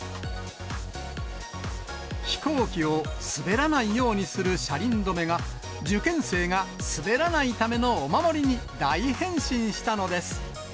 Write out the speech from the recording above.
飛行機を滑らないようにする車輪止めが、受験生が滑らないためのお守りに大変身したのです。